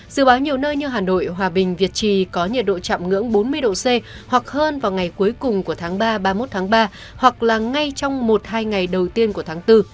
dự báo nhiều nơi như hà nội hòa bình việt trì có nhiệt độ chạm ngưỡng bốn mươi độ c hoặc hơn vào ngày cuối cùng của tháng ba ba mươi một tháng ba hoặc là ngay trong một hai ngày đầu tiên của tháng bốn